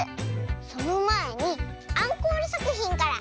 そのまえにアンコールさくひんから。